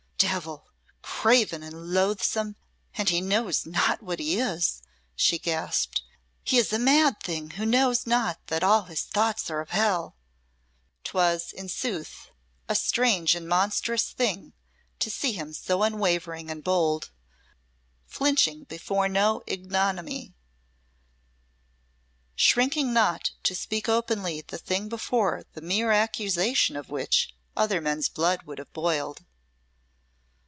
"Devil, craven, and loathsome and he knows not what he is!" she gasped. "He is a mad thing who knows not that all his thoughts are of hell." 'Twas, in sooth, a strange and monstrous thing to see him so unwavering and bold, flinching before no ignominy, shrinking not to speak openly the thing before the mere accusation of which other men's blood would have boiled.